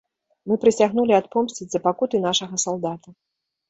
Мы прысягнулі адпомсціць за пакуты нашага салдата.